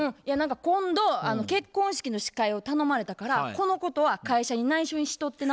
「今度結婚式の司会を頼まれたからこのことは会社にないしょにしとってな」